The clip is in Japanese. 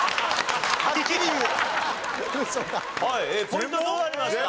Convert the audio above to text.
ポイントどうなりました？